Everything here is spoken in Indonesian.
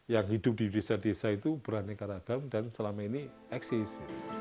yang hidup di desa desa itu beraneka ragam dan selama ini eksis